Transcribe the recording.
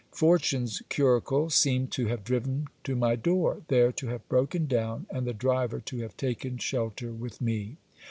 Fortune's curricle seemed to have driven to my door, there to have broken down, and the driver to have taken shelter with me.